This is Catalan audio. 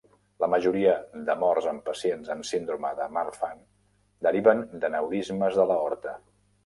La majoria de morts en pacients amb síndrome de Marfan deriven d'aneurismes de l'aorta.